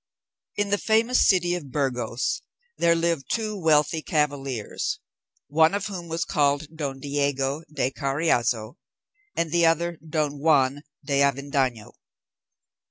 In the famous city of Burgos there lived two wealthy cavaliers, one of whom was called Don Diego de Carriazo, and the other Don Juan de Avendaño.